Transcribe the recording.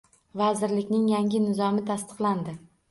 Vazirlikning yangi Nizomi tasdiqlandi.